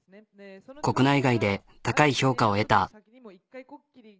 国内外で高い評価を得た。